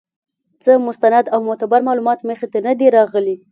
څۀ مستند او معتبر معلومات مخې ته نۀ دي راغلي